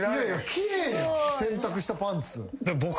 奇麗やん洗濯したパンツ。